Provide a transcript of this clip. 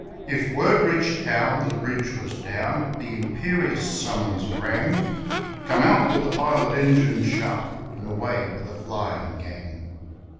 If word reached town that a bridge was down, The imperious summons rang 'Come out with the pilot engine sharp, And away with the flying gang.'